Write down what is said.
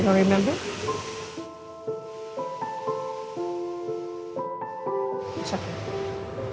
kamu tidak ingat